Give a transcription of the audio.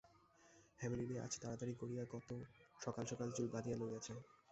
হেমনলিনী আজ তাড়াতাড়ি করিয়া কত সকাল-সকাল চুল বাঁধিয়া লইয়াছে।